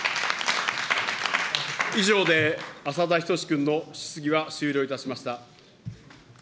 以上で浅田均君の質疑は終了いたしました。